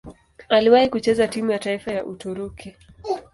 Aliwahi kucheza timu ya taifa ya Uturuki.